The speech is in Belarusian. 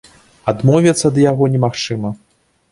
Адмовіцца ад яго немагчыма.